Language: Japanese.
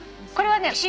これはね